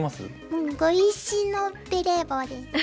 うん碁石のベレー帽です。